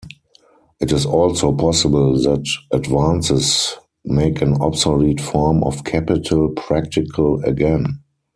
It is also possible that advances make an obsolete form of capital practical again.